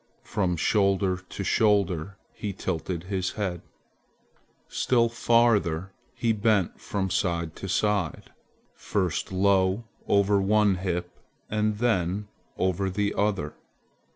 From shoulder to shoulder he tilted his head. Still farther he bent from side to side, first low over one hip and then over the other.